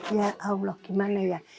ya allah gimana ya